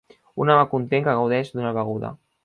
Un home content que gaudeix d'una beguda.